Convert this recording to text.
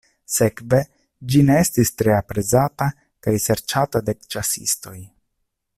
Sekve ĝi ne estis tre aprezata kaj serĉata de ĉasistoj.